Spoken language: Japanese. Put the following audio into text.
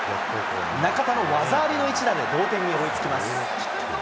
中田の技ありの一打で同点に追いつきます。